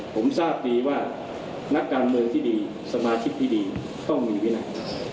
ผมทราบดีว่านักการเมืองที่ดีสมาชิกที่ดีต้องมีวินัย